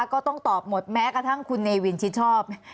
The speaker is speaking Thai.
ก็ต้องตอบหมดแม้กระทั่งคุณเนวินชิดชอบ